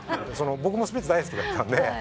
僕もスピッツ大好きだったんで。